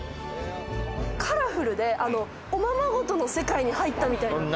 カラフルで、おままごとの世界に入ったみたい。